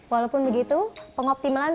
walaupun begitu pengoptimalan